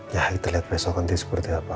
ya kita lihat besok nanti seperti apa